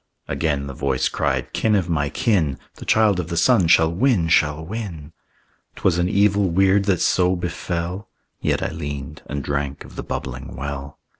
Again the voice cried, "Kin of my kin, The child of the Sun shall win, shall win!" 'Twas an evil weird that so befell; Yet I leaned and drank of the bubbling well.